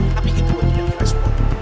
tapi itu menjadi yang direspon